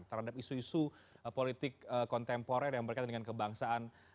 terhadap isu isu politik kontemporer yang berkaitan dengan kebangsaan